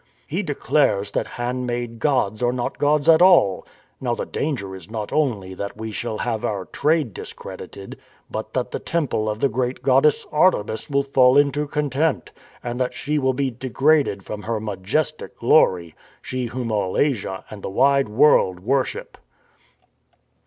"He declares that hand made gods are not gods at all. Now the danger is not only that we shall have our trade discredited, but that the temple of the great goddess Artemis will fall into contempt, and that she will be degraded from her majestic glory, she whom all Asia and the wide world worship."